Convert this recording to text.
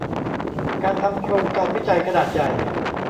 การทำโครงการวิจัยขนาดใหญ่